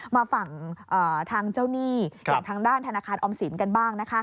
มาฝั่งทางเจ้าหนี้อย่างทางด้านธนาคารออมสินกันบ้างนะคะ